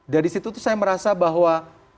dari situ tuh saya merasa bahwa